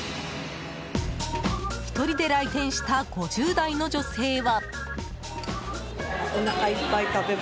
１人で来店した５０代の女性は。